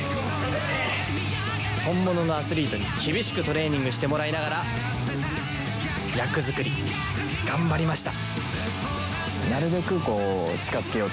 本物のアスリートに厳しくトレーニングしてもらいながら役作り頑張りました。